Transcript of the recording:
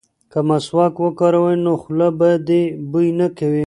که مسواک وکاروې نو خوله به دې بوی نه کوي.